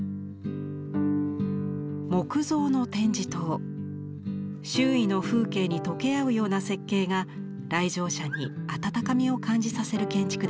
木造の展示棟周囲の風景に溶け合うような設計が来場者に温かみを感じさせる建築です。